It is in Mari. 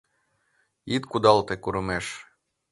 Ит кудалте курымеш.